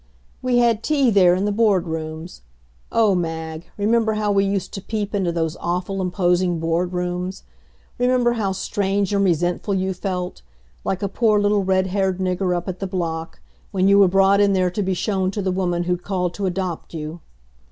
We had tea there in the Board rooms. Oh, Mag, remember how we used to peep into those awful, imposing Board rooms! Remember how strange and resentful you felt like a poor little red haired nigger up at the block when you were brought in there to be shown to the woman who'd called to adopt you!